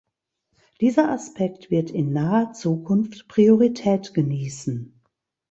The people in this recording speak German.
Dieser Aspekt wird in naher Zukunft Priorität genießen.